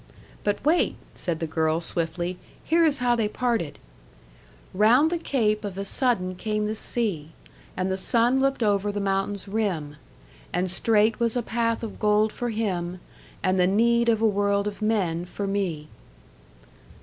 "But wait," said the girl, swiftly. "Here is how they parted: "Round the cape of a sudden came the sea, And the sun looked over the mountain's rim And straight was a path of gold for him, And the need of a world of men for me."